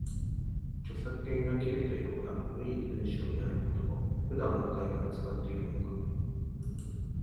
著作権が切れたような古い文章にある言葉を、普段の会話に使っているのか